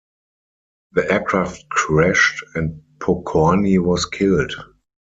The aircraft crashed, and Pokorni was killed.